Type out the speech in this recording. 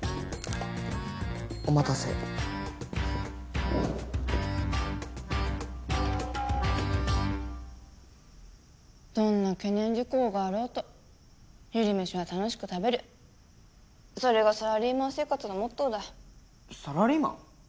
お待たせどんな懸念事項があろうと昼飯は楽しく食べるそれがサラリーマン生活のモットーだサラリーマン？